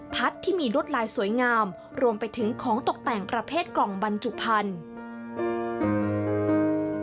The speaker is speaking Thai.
ที่มีลวดลายสวยงามรวมไปถึงของตกแต่งประเภทกล่องบรรจุพันธุ์